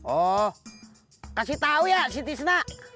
oh kasih tau ya si tisna